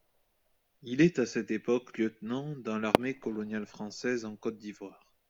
Il est à cette époque Lieutenant dans l'Armée coloniale française en Côte d'Ivoire.